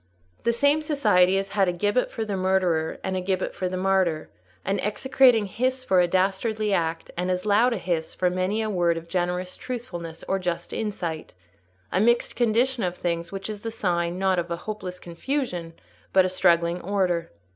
The same society has had a gibbet for the murderer and a gibbet for the martyr, an execrating hiss for a dastardly act, and as loud a hiss for many a word of generous truthfulness or just insight: a mixed condition of things which is the sign, not of hopeless confusion, but of struggling order.